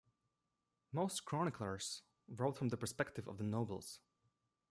Most chroniclers wrote from the perspective of the nobles.